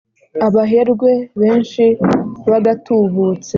Abaherwe benshi b’agatubutse